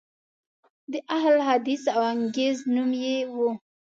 د اهل حدیث وانګریز نوم یې و.